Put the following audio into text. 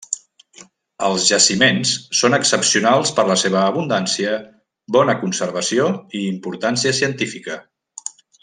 Els jaciments són excepcionals per la seva abundància, bona conservació i importància científica.